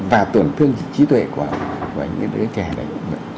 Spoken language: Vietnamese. và tổn thương trí tuệ của đứa trẻ đấy